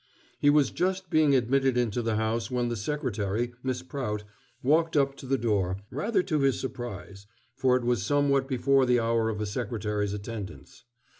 He was just being admitted into the house when the secretary, Miss Prout, walked up to the door rather to his surprise, for it was somewhat before the hour of a secretary's attendance.